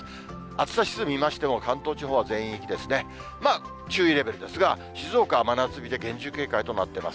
暑さ指数見ましても、関東地方は全域ですね、注意レベルですが、静岡は真夏日で厳重警戒となってます。